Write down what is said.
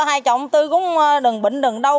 hai chồng tư cũng đừng bệnh đừng đau